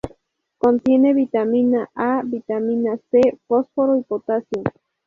Contiene vitamina A, vitamina C, fósforo y potasio.